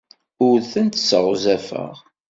Ur tent-sseɣzafeɣ.